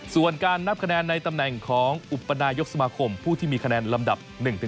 ส่วนการนับคะแนนในตำแหน่งของอุปนายกสมาคมผู้ที่มีคะแนนลำดับ๑๑